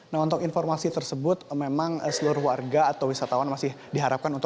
nah untuk informasi tersebut memang seluruh warga atau wisatawan masih diharapkan